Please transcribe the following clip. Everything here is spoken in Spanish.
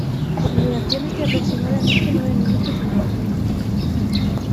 Su duración es de aproximadamente nueve minutos y medio.